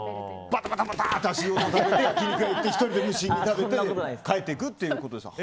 バタバタバタ！って焼き肉屋行って１人で無心に食べて帰っていくということですか。